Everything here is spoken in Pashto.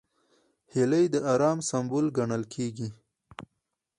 هیلۍ د ارام سمبول ګڼل کېږي